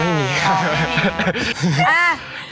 ไม่มีครับ